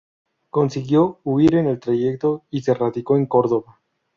Consiguió huir en el trayecto y se radicó en Córdoba.